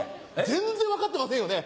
全然分かってませんよね。